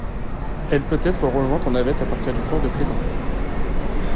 Elle peut être rejointe en navette à partir du port de Cleggan.